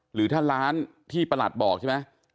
หรือถ้าร้านที่ประหลัดบอกใช่ไหม